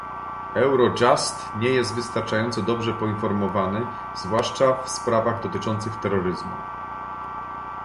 Eurojust nie jest wystarczająco dobrze poinformowany, zwłaszcza w sprawach dotyczących terroryzmu